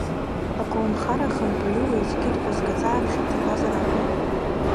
Аколнхара ахантәаҩы уеизгьы дҟәызгаӡа аԥхьа дҭатәазар акәын.